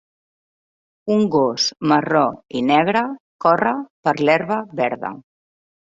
Un gos marró i negre corre per l'herba verda.